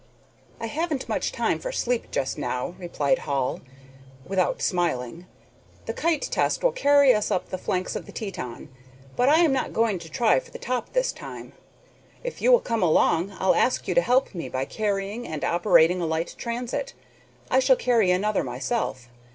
"I haven't much time for sleep just now," replied Hall, without smiling. "The kite test will carry us up the flanks of the Teton, but I am not going to try for the top this time. If you will come along I'll ask you to help me by carrying and operating a light transit I shall carry another myself.